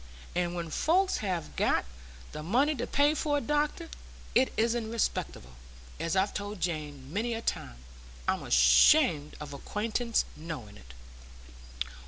And when folks have got the money to pay for a doctor, it isn't respectable, as I've told Jane many a time. I'm ashamed of acquaintance knowing it."